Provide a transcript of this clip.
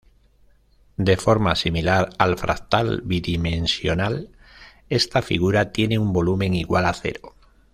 De forma similar al fractal bidimensional, esta figura tiene un volumen igual a cero.